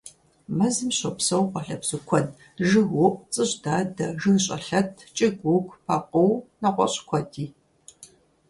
Мэзым щопсэу къуалэбзу куэд: жыгыуӀу, цӀыжьдадэ, жыгщӀэлъэт, кӀыгуугу, пэкъыу, нэгъуэщӀ куэди.